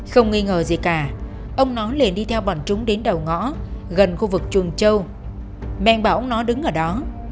không nghi ngờ gì cả ông nó liền đi theo bọn chúng đến đầu ngõ gần khu vực chuồng châu màng bảo ông nó đứng ở đó